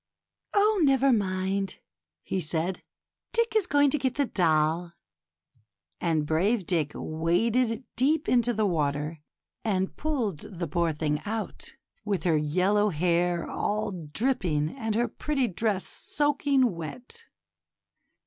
Oh ! never mind," he said, " Dick is going to get the doll ;' and brave Dick waded deep into the water, and pulled the poor thing out, with her yellow hair all dripping and her pretty dress soaking wet.